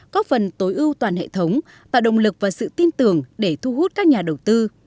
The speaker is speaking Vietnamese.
góp phần tối ưu toàn hệ thống tạo động lực và sự tin tưởng để thu hút các nhà đầu tư